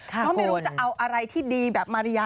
เพราะไม่รู้จะเอาอะไรที่ดีแบบมาริยา